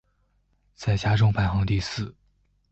在家中排行第四。